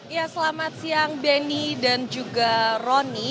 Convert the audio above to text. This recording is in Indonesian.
ya selamat siang benny dan juga roni